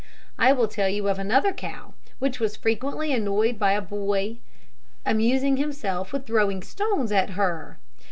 I will tell you of another cow, which was frequently annoyed by a boy amusing himself with throwing stones at her.